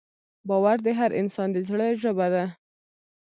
باور د هر انسان د زړه ژبه ده.